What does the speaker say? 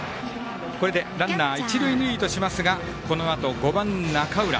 これでランナー、一塁二塁としますがこのあと、５番、中浦。